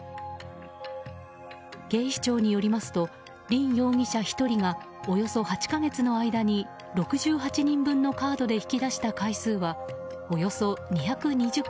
警視庁によりますとリン容疑者１人がおよそ８か月の間に６８人分のカードで引き出した回数はおよそ２２０回。